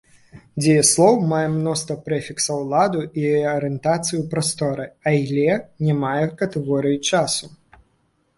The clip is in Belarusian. Дзеяслоў мае мноства прэфіксаў ладу і арыентацыі ў прасторы, але не мае катэгорыі часу.